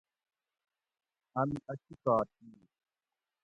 اٞن اٞ چِکار کِیر